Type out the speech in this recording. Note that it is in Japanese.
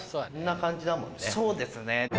そうですね。